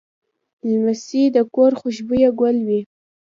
لمسی د کور خوشبویه ګل وي.